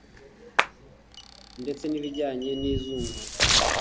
ndetse n’ibijyanye n’izungura